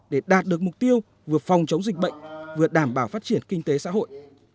để đạt được mục tiêu vừa phòng chống dịch bệnh vừa đảm bảo phát triển kinh tế xã hội